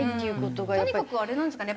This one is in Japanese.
とにかくあれなんですかね